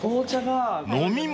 ［飲み物？］